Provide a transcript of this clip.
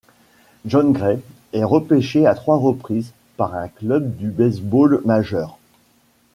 Jon Gray est repêché à trois reprises par un club du baseball majeur.